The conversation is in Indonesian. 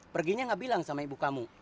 perginya gak bilang sama ibu kamu